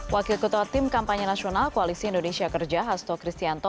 wakil ketua tim kampanye nasional koalisi indonesia kerja hasto kristianto